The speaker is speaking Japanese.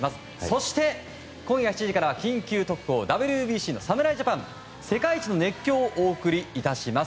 そして、今７時からは「緊急特報！侍ジャパンＷＢＣ世界一の熱狂！」をお送りいたします。